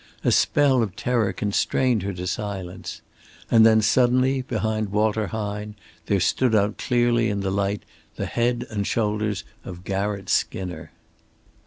A spell of terror constrained her to silence. And then, suddenly, behind Walter Hine there stood out clearly in the light the head and shoulders of Garratt Skinner.